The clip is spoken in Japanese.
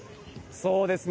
そうですね。